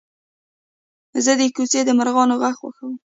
زه د کوڅې د مرغانو غږ خوښوم.